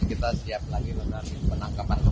kita sedekat dengan tasaran